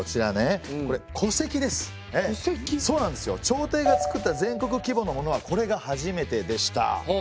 朝廷がつくった全国規模のものはこれが初めてでした。